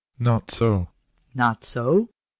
" Not so." " Not so !